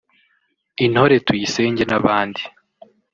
Intore Tuyisenge n’abandi